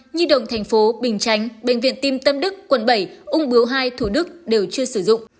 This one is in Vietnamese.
nhi động thành phố bình chánh bệnh viện tim tâm đức quận bảy úng bướu hai thủ đức đều chưa sử dụng